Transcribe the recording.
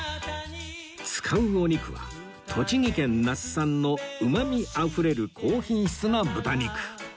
使うお肉は栃木県那須産のうまみあふれる高品質な豚肉